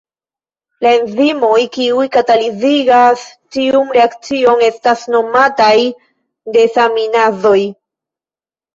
La enzimoj kiuj katalizigas tiun reakcion estas nomataj desaminazoj.